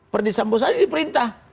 perdis ambo saja diperintah